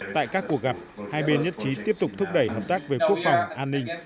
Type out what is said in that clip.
tại các cuộc gặp hai bên nhất trí tiếp tục thúc đẩy hợp tác về quốc phòng an ninh